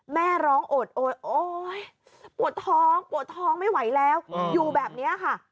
แม่ร้องโอดโอ๊ยโอ๊ยปวดท้องปวดท้องไม่ไหวแล้วอยู่แบบนี้ค่ะ